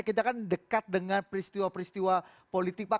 kita kan dekat dengan peristiwa peristiwa politik pak